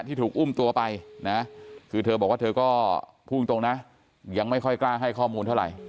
ที่ถูกอุ้มตัวไปนะคือเธอบอกว่าเธอก็พูดตรงนะยังไม่ค่อยกล้าให้ข้อมูลเท่าไหร่